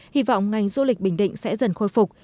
hy vọng ngành du lịch bình định sẽ dần khôi phục